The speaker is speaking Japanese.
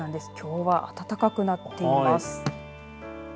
きょうは暖かくなっています。